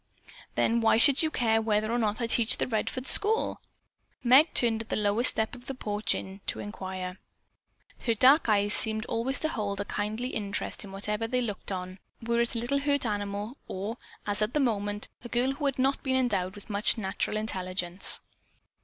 "Then why should you care whether or not I teach the Redford school?" Meg turned at the lowest step of the inn porch to inquire. Her dark eyes seemed always to hold a kindly interest in whatever they looked upon, were it a hurt little animal or, as at that moment, a girl who had not been endowed with much natural intelligence.